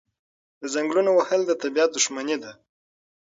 د ځنګلونو وهل د طبیعت دښمني ده.